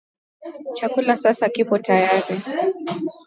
Chakula sasa kipo tayari